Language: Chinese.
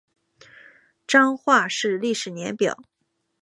彰化市历史年表